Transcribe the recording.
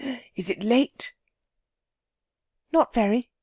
Is it late?" "Not very.